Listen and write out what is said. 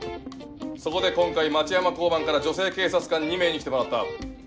そこで今回町山交番から女性警察官２名に来てもらった。